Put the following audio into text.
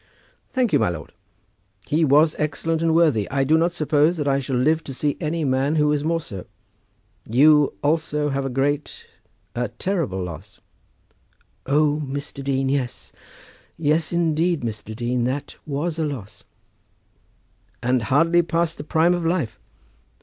"Thank you, my lord. He was excellent and worthy. I do not suppose that I shall live to see any man who was more so. You also have a great, a terrible loss." "O, Mr. Dean, yes; yes, indeed, Mr. Dean. That was a loss." "And hardly past the prime of life!"